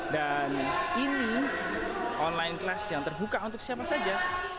dan ini online kelas yang terbuka untuk siapa saja